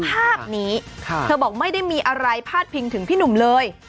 ภาพนี้เธอบอกไม่ได้มีอะไรพาดพิงถึงพี่หนุ่มเลย